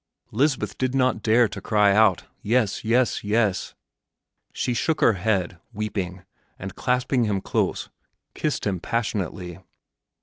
Lisbeth did not dare to cry out, "Yes, yes, yes!" She shook her head, weeping, and, clasping him close, kissed him passionately.